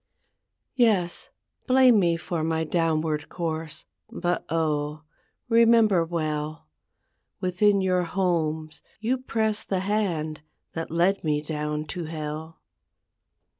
Yes, blame me for my downward course, But oh! remember well, Within your homes you press the hand That led me down to hell.